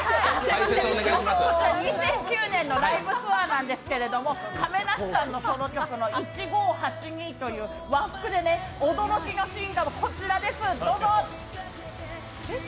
２００９年のライブツアーなんですけど亀梨さんのソロ曲の「１５８２」という和服でね、驚きのシーンがこちらです、どうぞ！